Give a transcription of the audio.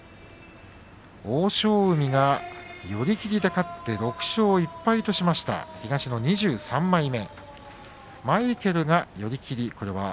欧勝海が寄り切りで勝って６勝１敗としました東の２３枚目。